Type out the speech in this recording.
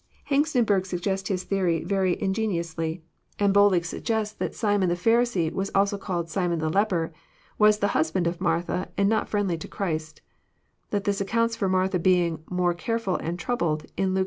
Hengstenberg supports his theory JOHN, CHAP. XI. 237 ▼ery fngenionsly, and boldly snggests that Simon the Pharisee was Also called Simon the leper, was the husband of Martha, and not friendly to Christ :— that this accounts for Martha being more " careful and tronbled,'* in Lake x.